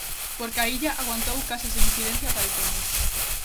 Porque A Illa aguantou case sen incidencia ata decembro.